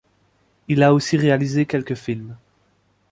Il a aussi réalisé quelques films.